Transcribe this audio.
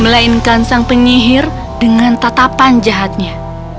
melainkan sang penyihir dengan tatapan jahatnya